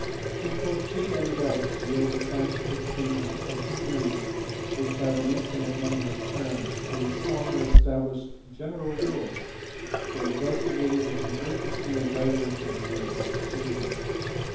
To Cauchy and Gauss we owe the scientific treatment of series which have an infinite number of terms, and the former established general rules for investigating the convergency and divergency of such series.